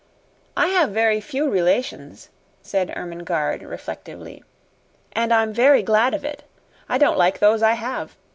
"I have very few relations," said Ermengarde, reflectively, "and I'm very glad of it. I don't like those I have.